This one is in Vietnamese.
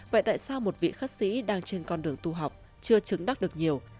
vậy tại sao một vị khách sĩ đang trên con đường tu học chưa chứng đắc được nhiều